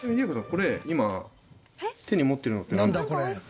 これ今手に持ってるのってなんですか？